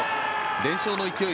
連勝の勢い